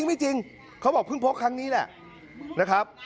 ไม่จริงเขาบอกเพิ่งพกครั้งนี้แหละนะครับ